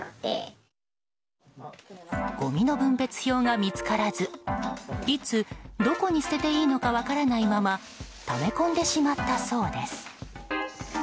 ごみの分別表が見つからずいつ、どこに捨てていいのか分からないままため込んでしまったそうです。